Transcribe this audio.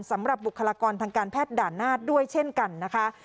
สำหรับบุคลากรทางการแพทย์ด่านาศด้วยเช่นกันนะครับ